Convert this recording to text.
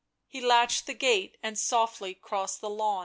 He latched the gate and softly crossed the lawn.